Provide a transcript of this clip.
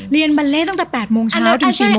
เรียนบาเลตั้งแต่๘โมงเช้าถึง๔โมงเย็น